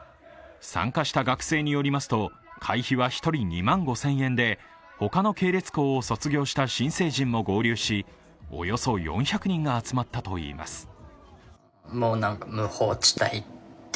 参加した学生によりますと、会費は１人２万５０００円で他の系列高を卒業した新成人も合流しおよそ４００人が集まったといいます